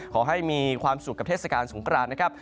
ขอให้มีความสุขกับเทศกาลสงครานนะครับ